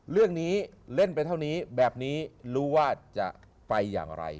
เล่นไปเท่านี้แบบนี้รู้ว่าจะไปอย่างไร